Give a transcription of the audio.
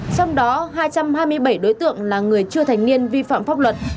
trong đó hai trăm hai mươi bảy đối tượng là người chưa thành niên vi phạm pháp luật